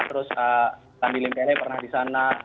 terus kandilin pene pernah di sana